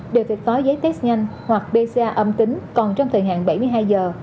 đều phải có giấy test nhanh hoặc bha âm tính còn trong thời hạn bảy mươi hai giờ